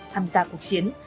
tham gia cuộc chiến